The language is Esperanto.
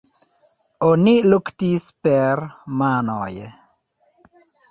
Oni luktis per manoj.